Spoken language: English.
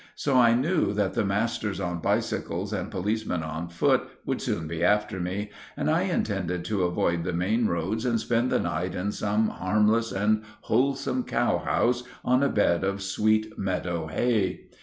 So I knew that the masters on bicycles and policemen on foot would soon be after me, and I intended to avoid the main roads and spend the night in some harmless and wholesome cowhouse on a bed of sweet meadow hay.